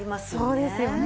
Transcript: そうですよね。